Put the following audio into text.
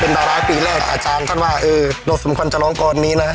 เป็นดาวร้ายปีแรกอาจารย์เขาว่าโดสมควรจะร้องกรณีนี้นะ